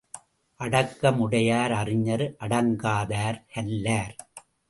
அடக்கம் உடையார் அறிஞர் அடங்காதார் கல்லார்.